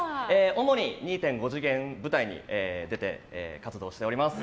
主に２．５次元舞台に出て活動しております。